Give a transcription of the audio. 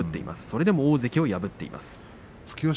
それでも大関を破っています。